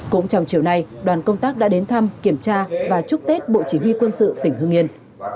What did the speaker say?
cũng trong chiều nay đoàn công tác đã đến thăm kiểm tra và chúc tết bộ chỉ huy quân sự tỉnh hương yên